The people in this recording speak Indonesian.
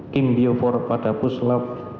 kim biofor padapus lab